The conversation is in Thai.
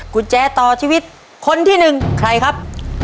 กุญแจต่อชีวิตคนที่หนึ่งใครครับ